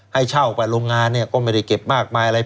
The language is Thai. ให้เช่าออกไปโรงงานก็ไม่ได้เก็บมากมายอะไร